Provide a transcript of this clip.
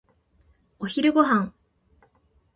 お昼ご飯。